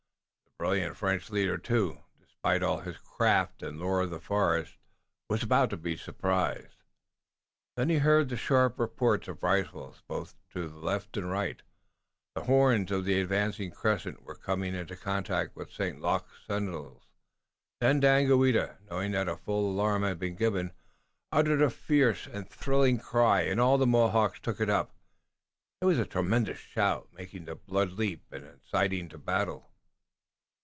The brilliant French leader too, despite all his craft, and lore of the forest, was about to be surprised. Then he heard the sharp reports of rifles both to right and left. The horns of the advancing crescent were coming into contact with St. Luc's sentinels. Then Daganoweda, knowing that the full alarm had been given, uttered a fierce and thrilling cry and all the Mohawks took it up. It was a tremendous shout, making the blood leap and inciting to battle.